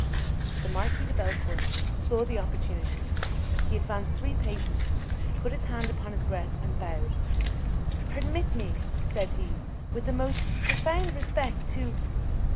The Marquis de Bellecourt saw the opportunity; he advanced three paces, put his hand upon his breast and bowed. "Permit me," said he, "with the most profound respect, to